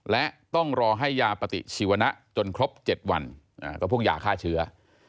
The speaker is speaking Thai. และต้องรอให้ยาปฏิชีวนะจนครบ๗วันก็พวกยาฆ่าเชื้อ